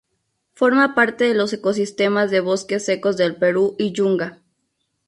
Forma parte de los ecosistemas de bosques secos del Perú y Yunga.